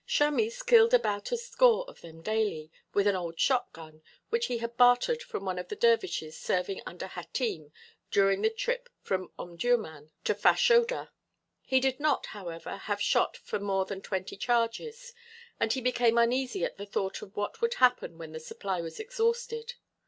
Chamis killed about a score of them daily with an old shotgun which he had bartered from one of the dervishes serving under Hatim during the trip from Omdurmân to Fashoda. He did not, however, have shot for more than twenty charges and he became uneasy at the thought of what would happen when the supply was exhausted.